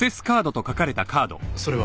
それは？